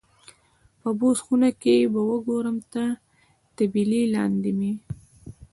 په بوس خونه کې به وګورم، تر طبیلې لاندې مې.